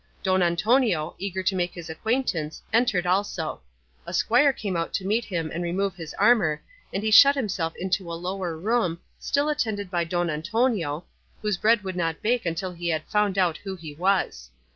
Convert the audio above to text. Don Antonio, eager to make his acquaintance, entered also; a squire came out to meet him and remove his armour, and he shut himself into a lower room, still attended by Don Antonio, whose bread would not bake until he had found out who he was.